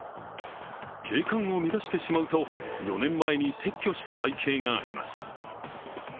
景観を乱してしまうと４年前に撤去した背景があります。